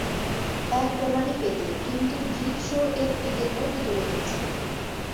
এক ডলারই পেতে, কিন্তু গিক শো এর টিকেটটা কেটে রেখেছি।